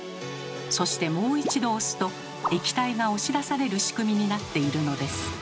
そしてもう一度押すと液体が押し出される仕組みになっているのです。